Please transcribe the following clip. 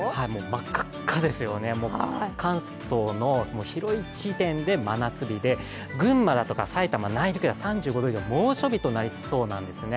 真っ赤かですよね、関東の広い地点で真夏日で、真夏日で、群馬だとか埼玉内陸では３５度猛暑日となりそうなんですね。